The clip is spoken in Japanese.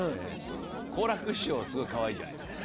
好楽師匠すごいかわいいじゃないですか。